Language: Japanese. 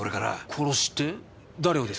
殺しって誰をです？